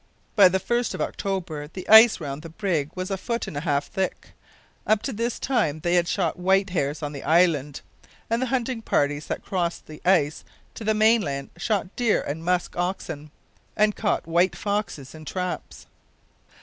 By the 1st of October the ice round the brig was a foot and a half thick. Up to this time they had shot white hares on the island, and the hunting parties that crossed the ice to the mainland shot deer and musk oxen, and caught white foxes in traps.